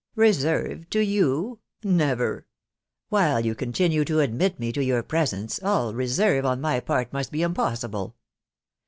ie Reserve to you !.... never !.... While you continue to admit me to your presence, all reserve on my part must be impossible.